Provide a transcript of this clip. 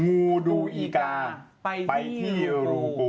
งูดูอีกาไปที่รูปู